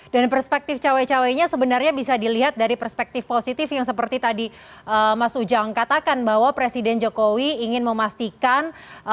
dan perspektif cawe cawe nya sebenarnya bisa dilihat dari perspektif positif yang seperti tadi mas ujang katakan bahwa presiden jokowi ingin memastikan